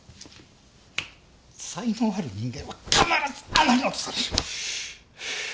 才能ある人間は必ず穴に落とされる！